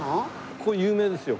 ここ有名ですよ。